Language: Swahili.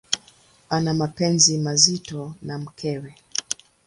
Ana mapenzi mazito na mkewe.